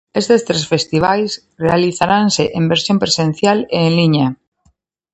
Estes tres festivais realizaranse en versión presencial e en liña.